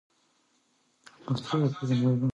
روغتیایی پاملرنه